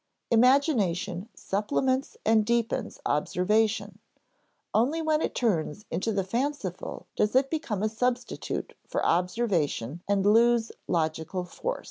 Imagination supplements and deepens observation; only when it turns into the fanciful does it become a substitute for observation and lose logical force.